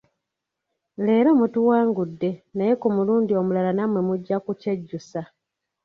Leero mutuwangudde naye ku mulundi omulala nammwe mujja kukyejjusa.